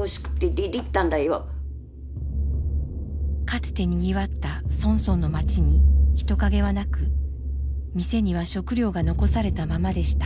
かつてにぎわったソンソンの町に人影はなく店には食料が残されたままでした。